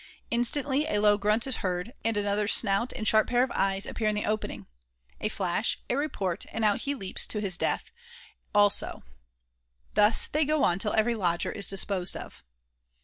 Instantly a low grunt is heard, and another snout and sharp pair of eyes appear in the opening. A flash, a report, and out he leaps to his death, also; thus they go on till every "lodger" is disposed of.